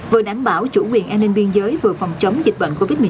vừa đảm bảo chủ quyền an ninh biên giới vừa phòng chống dịch bệnh của bệnh nhân